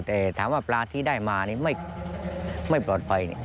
แต่ถามว่าปลาที่ได้มานี่ไม่ปลอดภัย